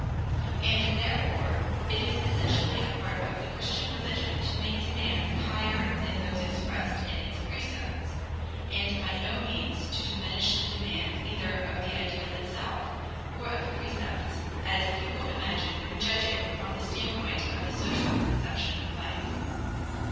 And therefore it is essentially a part of the Christian religion to make demands higher than those expressed in its precepts; and by no means to diminish the demands either of the ideal itself, or of the precepts, as people imagine who judge it from the standpoint of the social conception of life.